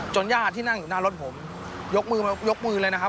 ญาติที่นั่งอยู่หน้ารถผมยกมือยกมือเลยนะครับ